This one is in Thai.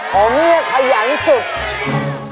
ขอเมียขยันสุด